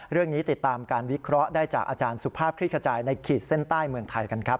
ติดตามการวิเคราะห์ได้จากอาจารย์สุภาพคลิกขจายในขีดเส้นใต้เมืองไทยกันครับ